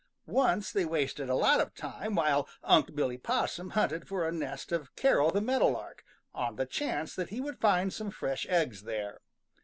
Once they wasted a lot of time while Unc' Billy Possum hunted for a nest of Carol the Meadow Lark, on the chance that he would find some fresh eggs there.